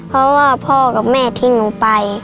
เพราะว่าพ่อกับแม่ทิ้งหนูไป